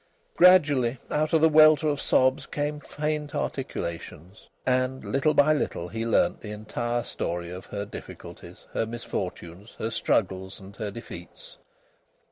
Gradually, out of the welter of sobs, came faint articulations, and little by little he learnt the entire story of her difficulties, her misfortunes, her struggles, and her defeats.